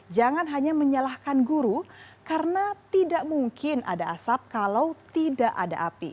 jangan hanya menyalahkan guru karena tidak mungkin ada asap kalau tidak ada api